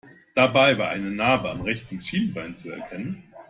Dabei war eine Narbe am rechten Schienbein zu erkennen.